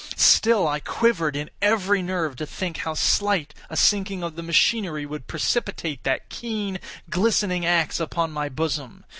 Still I quivered in every nerve to think how slight a sinking of the machinery would precipitate that keen, glistening axe upon my bosom.